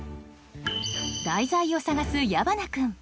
題材を探す矢花君